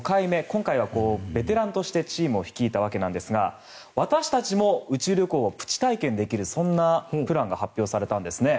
今回はベテランとしてチームを率いたわけなんですが私たちも宇宙旅行をプチ体験できる、そんなプランが発表されたんですね。